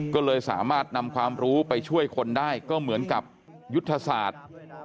ก็เลยสามารถนำความรู้ไปช่วยคนได้ก็เหมือนกับยุทธศาสตร์